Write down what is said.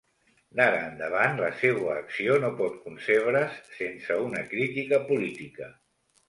D'ara endavant la seua acció no pot concebre's sense una crítica política.